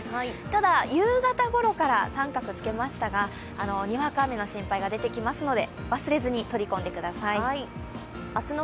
ただ、夕方ごろから三角をつけましたが、にわか雨の心配が出てきますので、忘れずに取り込んでください。